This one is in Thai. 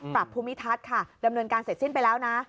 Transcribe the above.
ปรับภูมิทัศน์ค่ะดำเนินการเสร็จสิ้นไปแล้วนะ